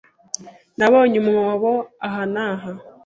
Nabonye umwobo aha n'aha.